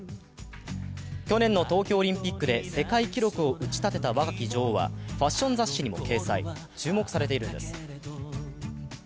去年の東京オリンピックで世界記録を打ち立てた若き女王はファッション雑誌にも掲載、注目されているんです。